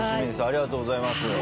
ありがとうございます。